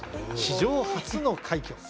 史上初の快挙